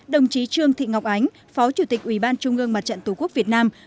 đồng chí trương thị ngọc ánh phó chủ tịch ủy ban trung ương mặt trận tổ quốc việt nam